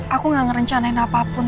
aku gak ngerencanain apapun